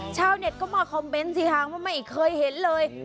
ชาวเน็ตก็มาคอมเมนต์สิหางว่าไม่เคยเห็นเลย